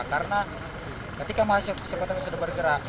karena ketika mahasiswa sempatan sudah bergerak